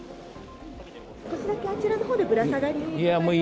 少しだけ、あちらのほうでぶら下がり。